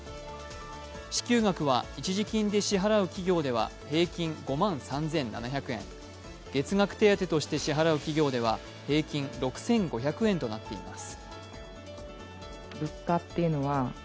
支給額は一時金で支払う企業では平均５万３７００円、月額手当てとして支払う企業は平均６５００円となっています。